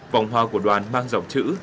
vòng hoa của đoàn mang dòng chữ